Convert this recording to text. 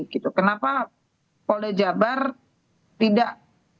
kenapa polda jabar tidak